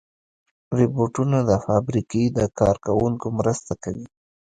روبوټونه د فابریکې د کار کوونکو مرسته کوي.